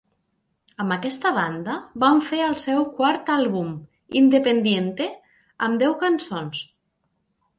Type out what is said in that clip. Amb aquesta banda, van fer el seu quart àlbum, "Independiente", amb deu cançons.